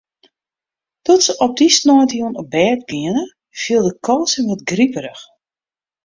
Doe't se op dy sneintejûn op bêd giene, fielde Koos him wat griperich.